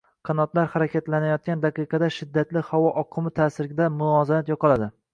qanotlar harakatlanayotgan daqiqada shiddatli havo oqimi ta’sirida muvozanat yo‘qoladi.